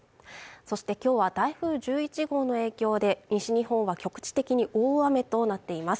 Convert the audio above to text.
そして今日は台風１１号の影響で西日本は局地的に大雨となっています